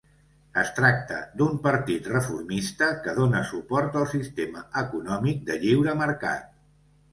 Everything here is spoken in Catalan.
Es tracta d'un partit reformista que dóna suport al sistema econòmic de lliure mercat.